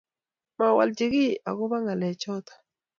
mawalchi kii ako ba ngalek choton